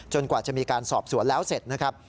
กว่าจะมีการสอบสวนแล้วเสร็จนะครับ